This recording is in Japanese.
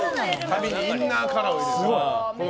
髪にインナーカラーを入れる。